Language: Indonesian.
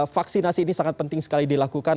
vaksinasi ini sangat penting sekali dilakukan